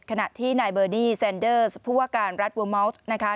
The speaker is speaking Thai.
ขณะที่นายเบอร์ดีแซนเดอร์สผู้อาการรัฐเวอร์เมิ้ลต์